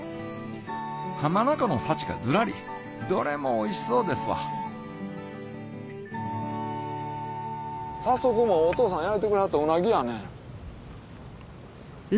浜名湖の幸がずらりどれもおいしそうですわ早速もうお父さん焼いてくれはったウナギやね。